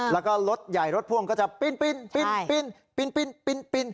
แล้วก็รถใหญ่รถพ่วงก็จะปีน